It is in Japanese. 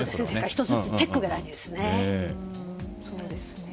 １つずつチェックが大事ですね。